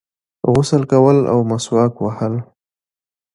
غسل کول او مسواک وهل